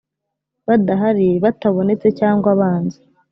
badahari batabonetse cyangwa banze